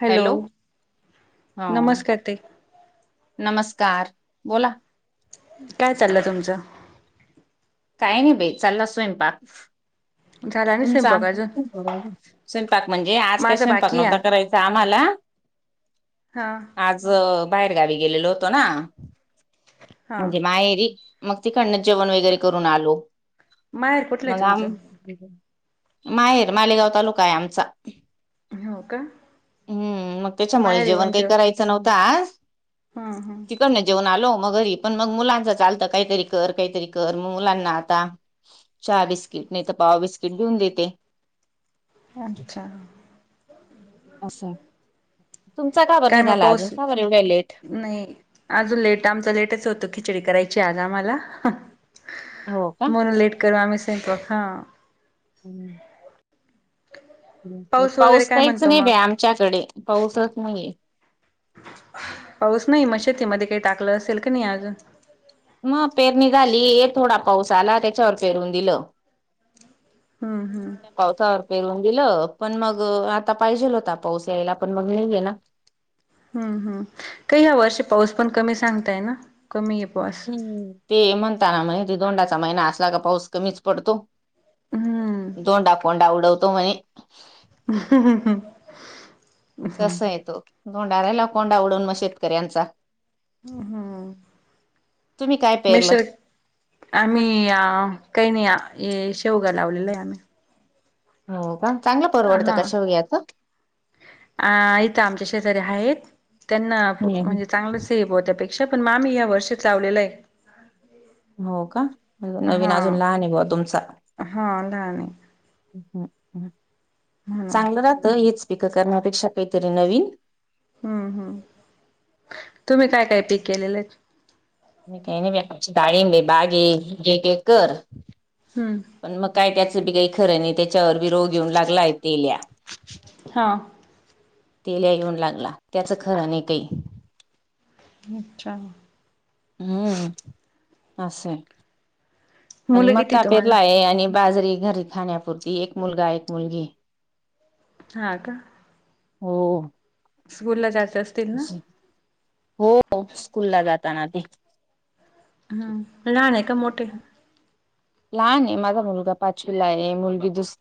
Hello, हा नमस्कार ताई. नमस्कार बोला. काय चाललं तुमचं? काही नाही बाई चालला स्वयंपाक. झाला नाही तुमच स्वयंपाक अजून [unintelligible] स्वयंपाक म्हणजे आज काही माझं स्वयंपाक बाकी नव्हता आहे करायचा आम्हाला हां. बाहेरगावी गेलेलो होतो ना हा म्हणजे माहेरी. मग तिकडनचं जेवण वगैरे करून आलो. माहेर कुठलं आहे मग आम् तुमचं माहेर मालेगाव तालुका आहे आमचा. हो का हम्म, मग त्याच्यामुळे माहेर आहे जेवण काही कोणचं करायचं नव्हता आज हां हां तीकडणच जेवून आलो मग घरी पण मग मुलांच चालतं काहीतरी कर काहीतरी कर मग मुलांना आता चहा बिस्किट नाही तर पावा बिस्किट देऊन देते. अच्छा, असं तुमचा का बरं काय नाही मग झाला अजून पाऊस का बरं एवढ्या लेट? नाही. अजून लेट आमचा लेटच होतो खिचडी करायची आज आम्हाला हो का? म्हणून लेट केरु आम्ही स्वयंपाक हा. हम्म वगैरे पाऊस काय काहीच म्हणतो नाही बी मग आमच्याकडे पाऊसच नाहीये. पाऊस नाही मग शतीमध्येध्ये काही टाकलं असेल का नाही अजून? मग पेरणी झाली थोडा पाऊस आला त्याच्यावर पेरून दिलं. हम्म हम्म पावसावर पेरून गेलं पण मग आता पाहिजेल होता पाऊस यायला पण मग नाही हे ना. हम्म हम् काही ह्या वर्षी पाऊस पण कमी सांगताय ना कमी आहे पाऊस. ते म्हणता ना म्हणे दोंडाचा महिना असला का पाऊस कमीच पडतो. हम्म दोंडा फोंडा उडवतो म्हणे, [unintelligible] तस आहेे तो धोंडाार्याला कोंडा उडवून मग शेतकऱ्यांचा. हम्म तुम्ही काय पेरलं? मेशर आम्ही काही नाही शेवगा लावलेलं आहे आम्ही. हो का चांग परवडतं का हा शेवग्याच? अ इथ आमच्या शेजऱ्या आहेत त्यांना हम्म हम्म. म्हणजे चांगलं से [unintelligible] ब हो त्या्यापेक्षा पण मा मी या वर्षी लावलेलं आहे. हो का, नवीन हा अजून लहान बा तुमचा हा लहान आहे म्हणून चांगलं राहत, हेच पिकं करण्यापेक्षा काहीतरी नवीन हम्म हम्म, तुम्ही काय काय पीक केलेलं? ी काही नाही ब डाळिंब बागे जे एक ऐकर हम्म पण मग काय त्याच बी काही खरं नाही, त्याच्यावर बी रोग येऊन लागलाय तेल्या हा तेल्या येऊन लागला, त्याचं खर नाही काही खूप छान हम्म असंय, आणि मुलं मग किती का तुम्हाला पेरला आहे आणि बाजरी घरी खाण्यापुरती, एक मुलगा एक मुलगी. हा का हो स्कूल ला जात अस हो, स्कूल ला जाताना ते हम्म, लहान आहे का मोटे? लहान आहे, माझा मुलगा पाचवीला आहे, मुलगी दुस-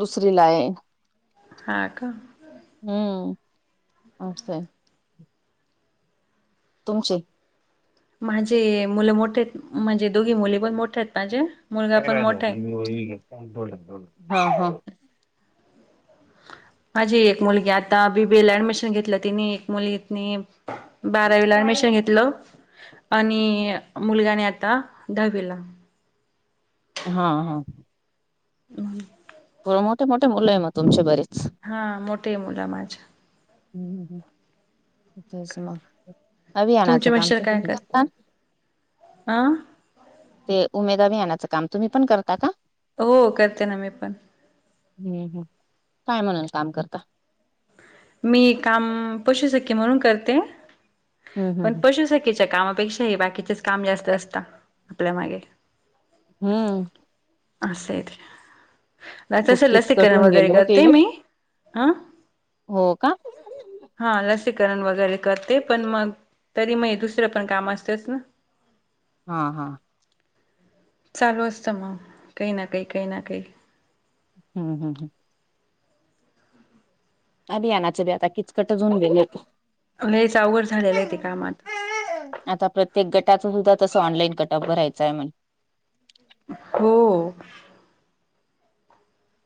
दुसरी ला आहे. हा का हम्म, असंय. तुमचे माझे मुलं मोठे आहेत, म्हणजे दोघी मुली पण मोठे आहेत माझे [unintelligible] मुलगा पण मोठा आहे. हाहा माझी एक मुलगी आता बी बी ए ला ऍडमिशन घेतलं तिने, एक मुलीनी बारावीला ऍडमिशन घेतलं. आणि मुलगा आणि आता दहावीला. हा हा [inaudible] मुलं मोठे- मोठे मुलं आहे मग तुमचे बरेच. हा मोटे आहे मुलं माझी. तुमचे [unintelligible] आ ते उमेदा आभियानाचं काम तुम्ही पण करता का? हो करते ना मी पण. हम्म हम्, काय म्हणून काम करता? मी काम पशुसखी म्हणून करते. हम् पण हम् पशुसखीच्या कामापेक्षा बाकीचेच काम जास्त असता, आपल्या मागे. हम्म. असं आहे ते, खूप नाहीतसं किचकट लसीकरण होऊन वगैरे गेले हो ते करते बी. मी, ह हो का? हा लसीकरण वगैरे करते पण मग, तरी मग दुसरं पण काम असतंच ना. हा हा. चालू असतं मग, काही ना काही, काही ना काही. हम हम हम. अभियानाचे बी आता किचकट होऊन गेले. लईच अवघड झालेलाय ते काम आता. आता प्रत्येक गटाचं सुद्धा तसं ऑलाईन कटअप भरायचंय म्हण. हो.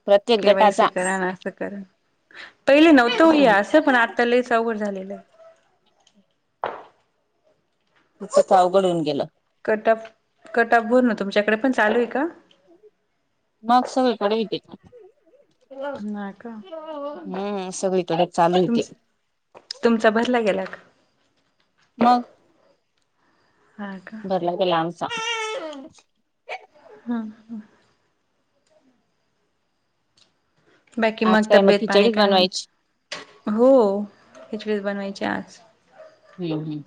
प्रत्येक के वाय सी गटाचा करा न असं करा, पहिले नव्हतं ओ ये असं पण आता लयच अवघड झालेलय. पच अवघड होऊन गेलं. कटफ कटफ भरनं तुमच्याकडे पण चालूय का? मग सगळीकडेय ते. हा का हम्म सगळीकडेच चालूय तुम ते. तुमचा भरला गेला का? मग. हा का? [unintelligible] लामचा. हा हा. बाकी आज मग काय तब्येत पाणी खिचडीच काय बनवायची. म्हणता? हो [unintelligible] बनवायचे आज. हम्म हम्म.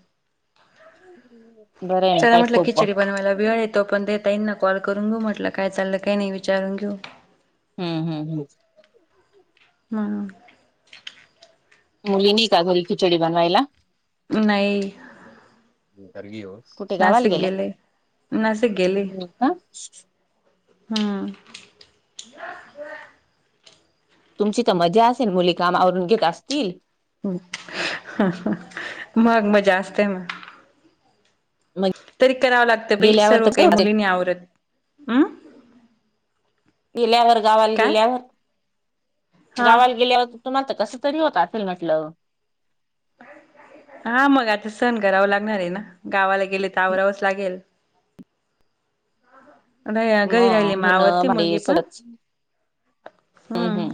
चला म्हटलं खिचडी बनवायला वेळय तो पण ताईंना कॉल करून घेऊ म्हटलं काय चाललं काय नाइ? विचारून घेऊ. हम्म हम्म हम्. हम्म. मुली नीइ का घरी खिचडी बनवायला? नाई. [inaudible] नाशिक गेलं नाशिक गेलं. का? हम्म. तुमची तर मज्जा असेल मुली काम आवरून घेत असतील. मग मजा असते ना. मग तरी करावं लागतं बाई गेल्यावर सर्व काही तर मुली नई आवरत. अम्. गेल्यावर गावाला काय गेल्यावर हा. गावाला गेल्यावर तर तुम्हाला तर कसं तरी होत असल म्हटलं. हा मग आता सण करावं लागणारय ना गावाला गेले तर आवरावच लागेल. नाही घरी राहिली मग म धुनं आवरते मुलगी भांडे पण सगळंच हम्म हम्. हम्म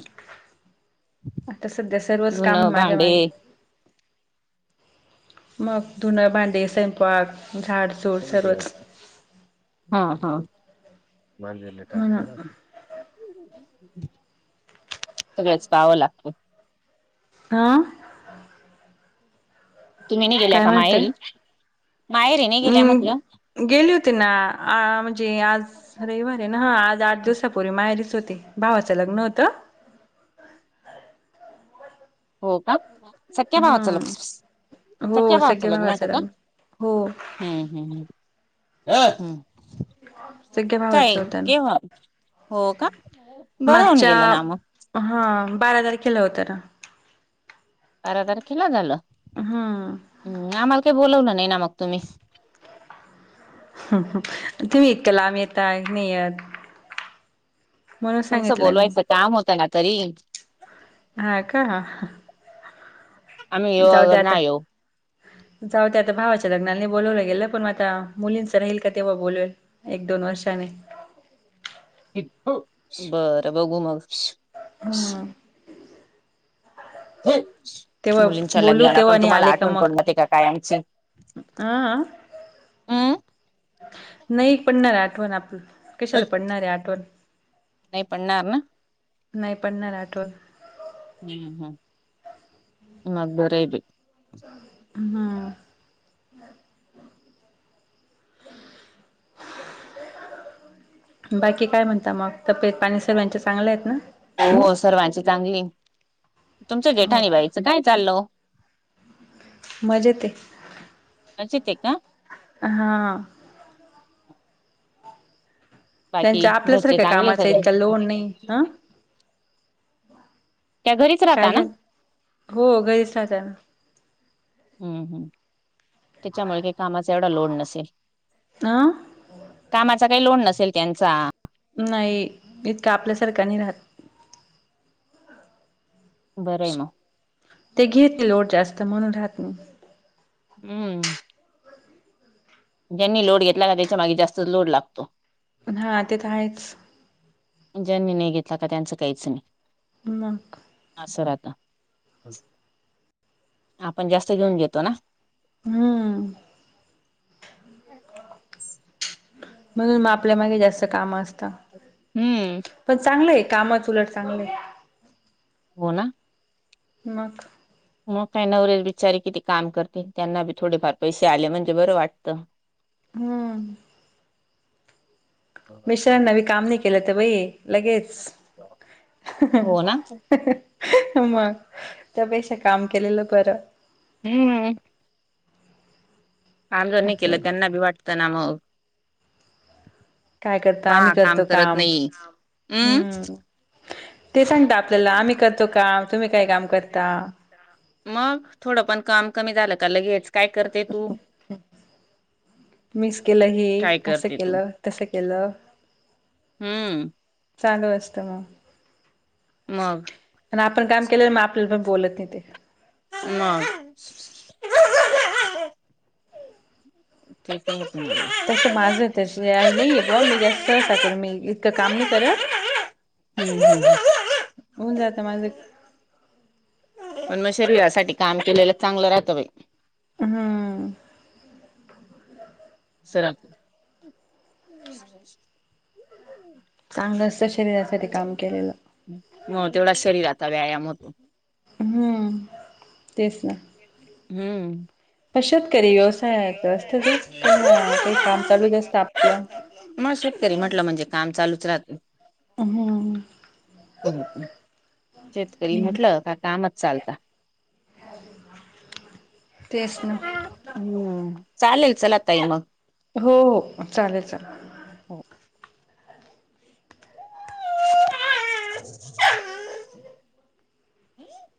आता सद्या सर्वच काम धुनं माझ्या भांडे मागे. मग धूनं, भांडी, स्वयंपाक, झाड हां हां. म्हणून सगळच पावं लागतं. आं. तुम्ही निइ गेल्या काय का म्हणते माहेरी? माहेरी नाही गेल्या अम् म्हटलं? गेली होती ना, आ म्हणजे आज रविवारीे ना हा आज आठ दिवसापूर्वी माहेरीच होते भावाचं लग्न होतं. हो का सख्या भावाचं ल हम्म सख्खा हो भावाचं सग्या लग्नं होतं का? लग्न हो हम्म हम् हम्म. [inaudible] काय भावाचं होतं ना केव्हा? हो का? बरं होऊन मागच्या गेलं ना मग. हा बारा तारखेला होतं ना. बारा तारखेला झालं. हा.. हम्म आम्हाला काही बोलावलं नाही ना मग तुम्ही. तुम्ही इतकं लांब येता नाहीयत.. तुमचं बोलवायचं काम होतं ना तरी.. हा का? आम्ही येऊ अगर नाही येऊ.. जाऊदे आता भावाच्या लग्नाला नाही बोलावलं गेलं, पण आता मुलींच राहील का तेव्हा बोलवेल.. एक दोन वर्षाने बरं बघू मग हम.. तेव्हा मुलींच्या बोलू लग्नाला तेव्हा पण आणि तुम्हाला आठवण पडणार का काय आमची अं हम्म नाही पडणार आठवण आपलं कशाला पडणारे आठवण? नाही पडणार ना.. नाही पडणार आठवण.. हम्म हम्म मग बरय बाई.. हम.. [unintelligible] बाकी काय म्हणता मग तब्येतपाणी सगळ्यांच्या चांगल्या आहेत ना? हो सर्वांची चांगली तुमच्या हो जेठानी का बाईचं काय चाललं ओ मजेत मजेत आहे का? हाय हा... बाकी त्यांच्या घरचे आपल्यासारख्या चांगले कामाच सगळे? इतका लोड नाही हं.. त्या घरीच काय राहता ना.. झालं हो घरीच राहत्या.. हम्म हम्.. त्याच्यामुळे हे कामाचा एवढा लोड नसेल.. आं? कामाचा काही लोड नसेल त्यांचा.. नाही इतकं आपल्यासारखा नाही राहत.. बरंय आहे म ते घेत नाही जास्त लोड म्हणून राहत नाही.. हम्म.. ज्यांनी लोड घेतला का त्याच्या माग जास्तच लोड लागतो.. हा ते तर आहेच.. ज्यांनी नाही घेतला का त्यांचं काहीच नाही.. मंग? असं राहत, आता आपण जास्त घेऊन घेतो ना.. हम्म. म्हणून मग आपल्या मागे जास्त काम असत. हम्म. पण चांगलंय कामच उलट चांगलंय. हो ना? मग. मग काय नवरे बिचारे किती काम करते त्यांना बी थोडे फार पैसे आले म्हणजे बरं वाटतं. हम्म. मिश्रां नवी मी काम नाही केलं तर बई लगेच हो ना हम मग त्यापेक्षा काम केलेलं बरं. हम्म. [unintelligible] केलं आहे की त्यांना बी वाटत ना मग. काय करता आम्ही पहा काम करतो करत नाही हम्म. हम्म ते सांगता आपल्याला आम्ही करतो काम तुम्ही काय काम करता?. मग थोडं पण काम कमी झालं का लगेच काय करते तू मीच केलं हे काय असं करते तू केलं तस केलं. हम्म. चालू असत मग. मग. आणि आपण काम केलं मग आपल्याला पण बोलत नाही ते. नाही. [unintelligible] क [unintelligible] तसं माझं तस नाहीय बुवा मी जास्त सा करू मी इतकं काम नाही करत. हम् [unintelligible] होऊन जात माझं पण म शरीरासाठी काम केलेलं चांगलं राहतं बाई. हम्म. सरा चांगलं असतं शरीरासाठी काम केलेलं. हो तेवढा शरीराचा व्यायाम होतो. हम तेच ना,. हम्म. पण शेतकरी [inaudible] व्यवसायाचं असतं तो काही ना काही काम चालूच असतं आपलं. मग शेतकरी म्हटलं म्हणजे काम चालूच राहत. हम्म. शेतकरी हम्म म्हटलं का कामच चालत. तेच ना. हम्म चालेल चला ताई मग हो हो चालेल-चालेल. [unintelligible] हम [inaudible]